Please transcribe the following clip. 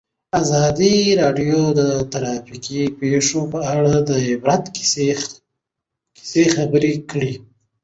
ازادي راډیو د ټرافیکي ستونزې په اړه د عبرت کیسې خبر کړي.